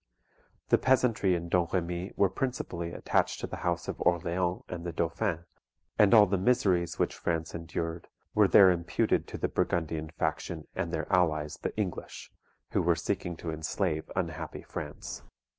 The peasantry in Domremy were principally attached to the House of Orleans and the Dauphin; and all the miseries which France endured, were there imputed to the Burgundian faction and their allies, the English, who were seeking to enslave unhappy France.